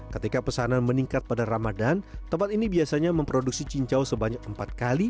ketika pesanan meningkat pada ramadan tempat ini biasanya memproduksi cincau sebanyak empat kali